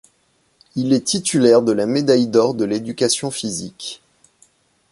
Il est titulaire de la médaille d’or de l'éducation physique.